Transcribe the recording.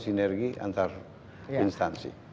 sinergi antar instansi